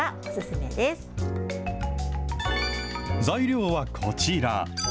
材料はこちら。